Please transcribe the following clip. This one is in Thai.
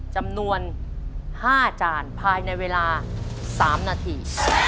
จำนวน๕จานภายในเวลา๓นาที